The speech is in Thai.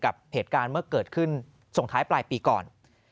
กับเหตุการณ์เมื่อเกิดขึ้นส่งท้ายปลายปีก่อน